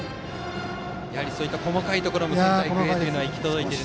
そういう細かいところも仙台育英は行き届いていると。